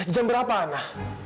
jam berapa ana